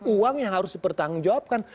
uang yang harus dipertanggung jawabkan